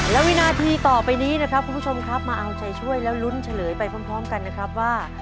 และวินาทีต่อไปนี้นะครับคุณผู้ชมครับมาเอาใจช่วยแล้วลุ้นเฉลยไปพร้อมกันนะครับว่า